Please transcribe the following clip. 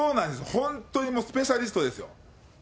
本当にスペシャリストですよ。